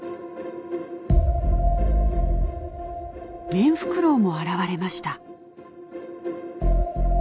メンフクロウも現れました。